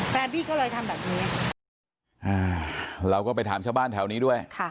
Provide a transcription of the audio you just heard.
แฟนพี่ก็เลยทำแบบนี้เราก็ไปถามชาวบ้านแถวนี้ด้วยค่ะ